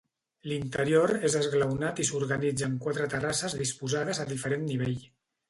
L'interior és esglaonat i s'organitza en quatre terrasses disposades a diferent nivell.